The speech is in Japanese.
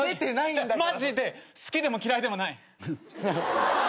マジで好きでも嫌いでもない！